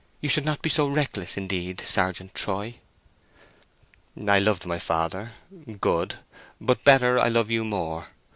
You should not be so reckless, indeed, Sergeant Troy!" "I loved my father: good; but better, I love you more.